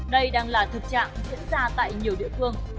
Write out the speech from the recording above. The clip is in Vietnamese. đây đang là thực trạng diễn ra tại nhiều địa phương